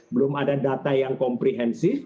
belum ada data yang komprehensif